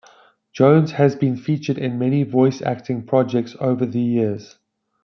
Jones has been featured in many voice acting projects over the years.